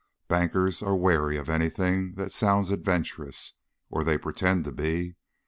Bankers are wary of anything that sounds adventurous or they pretend to be.